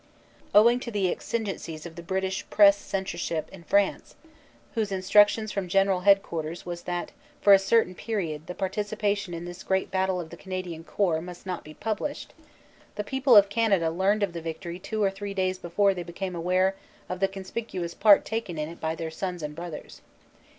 Owing to the exigencies of the British Press censorship in France, whose instruction from G. H. Q. was that for a certain period the participation in this great battle of the Canadian Corps must not be published, the people of Canada learned of the victory two or three days before they became aware of the conspicuous part taken in it by their sons and brothers.